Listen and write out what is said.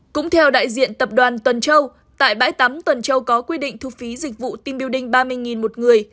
cũng theo đại diện tập đoàn tuần châu tại bãi tắm tuần châu có quy định thu phí dịch vụ team building ba mươi k một người